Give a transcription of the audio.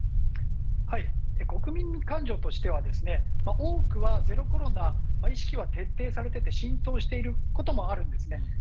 国民感情としては多くはゼロコロナ意識は徹底されていて浸透していることもあるんですね。